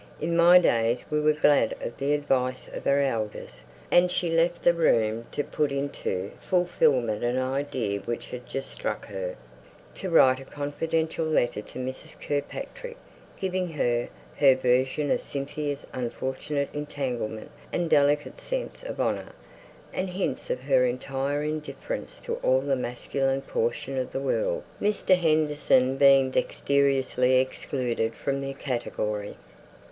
In my days we were glad of the advice of our elders." And she left the room to put into fulfilment an idea which had just struck her: to write a confidential letter to Mrs. Kirkpatrick, giving her her version of Cynthia's "unfortunate entanglement," and "delicate sense of honour," and hints of her entire indifference to all the masculine portion of the world, Mr. Henderson being dexterously excluded from the category.